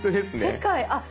世界あっ！